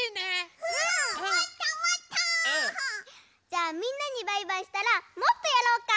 じゃあみんなにバイバイしたらもっとやろうか。